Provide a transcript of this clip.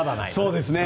そうですね。